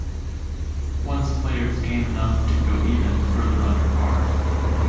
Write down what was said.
Once players gain enough to go even further under par.